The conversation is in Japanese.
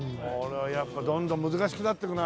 やっぱどんどん難しくなっていくな。